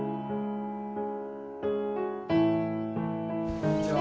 こんにちは。